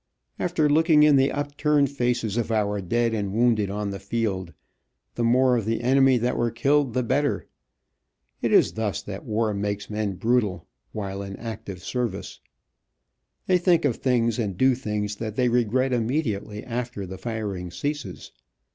After looking in the upturned faces of our dead and wounded on the field, the more of the enemy that were killed the better. It is thus that war makes men brutal, while in active service. They think of things and do things that they regret immediately after the firing ceases.